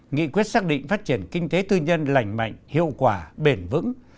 nghị quyết xác định phát triển kinh tế tư nhân lành mạnh hiệu quả bền vững